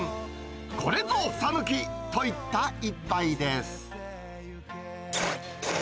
これぞ讃岐といった一杯です。